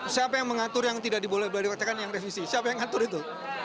siapa yang mengatur yang tidak diboleh beladik wajahkan yang revisi siapa yang ngatur itu